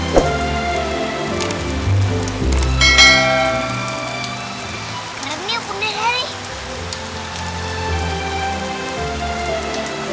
badan teribet sama basah